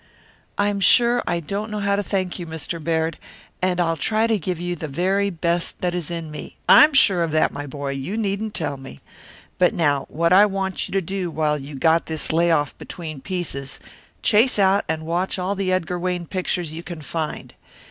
"I'm sure I don't know how to thank you, Mr. Baird, and I'll try to give you the very best that is in me " "I'm sure of that, my boy; you needn't tell me. But now what I want you to do while you got this lay off between pieces, chase out and watch all the Edgar Wayne pictures you can find.